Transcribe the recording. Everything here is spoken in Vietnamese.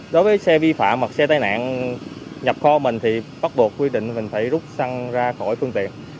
đối với xe vi phạm hoặc xe tai nạn nhập kho mình thì bắt buộc quy định mình phải rút xăng ra khỏi phương tiện